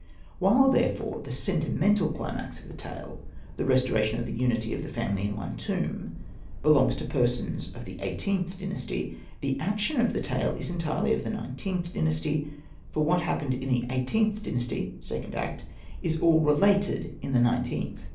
While, therefore, the sentimental climax of the tale — the restoration of the unity of the family in one tomb — belongs to persons of the XVIIIth Dynasty, the action of the tale is entirely of the XlXth Dynasty, for what hap pened in the XVIIIth Dynasty (second act) is all related in the XlXth.